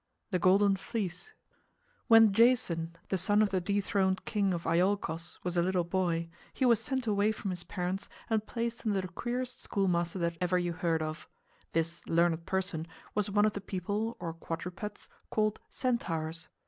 THE GOLDEN FLEECE When Jason, the son of the dethroned King of Iolchos, was a little boy, he was sent away from his parents and placed under the queerest schoolmaster that ever you heard of. This learned person was one of the people, or quadrupeds, called Centaurs.